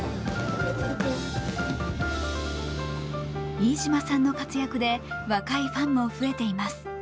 飯島さんの活躍で若いファンも増えています。